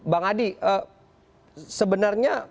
bang adi sebenarnya